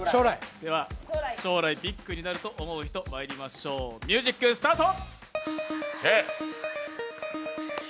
将来ビッグになると思う人、まいりましょう、ミュージックスタート。